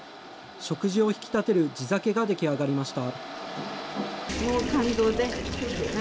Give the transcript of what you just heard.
食事を引き立てる地酒が出来上がりました。